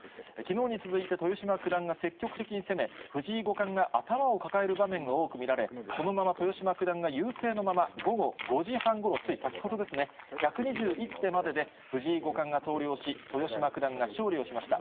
きのうに続いて、豊島九段が積極的に攻め、藤井五冠が頭を抱える場面が多く見られ、このまま、豊島九段が優勢のまま午後５時半ごろ、つい先ほどですね、１２１手までで藤井五冠が投了し、豊島九段が勝利をしました。